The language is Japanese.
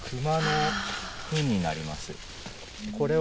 これは。